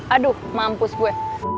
aduh mampus gue